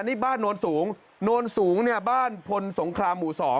นี่บ้านโนนสูงโนนสูงเนี่ยบ้านพลสงครามหมู่๒